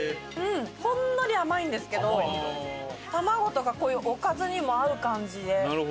ほんのり甘いんですけど玉子とかこういうおかずにも合う感じで。